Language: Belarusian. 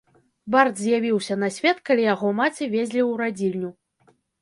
Бард з'явіўся на свет, калі яго маці везлі ў радзільню.